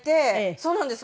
そうなんです。